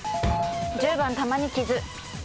１０番玉に瑕。